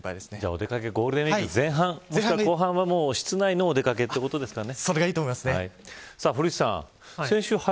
お出掛けはゴールデンウイークの前半後半は市内のお出掛けということですかね。